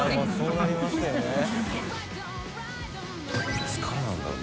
いつからなんだろう？